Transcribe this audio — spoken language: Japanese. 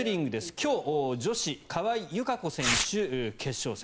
今日女子、川井友香子選手決勝戦。